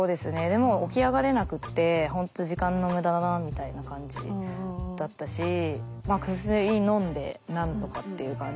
でもう起き上がれなくってほんと時間の無駄だなみたいな感じだったし薬のんで何とかっていう感じですけど。